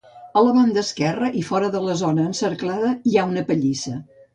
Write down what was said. A la banda esquerra i fora de la zona encerclada hi ha una pallissa.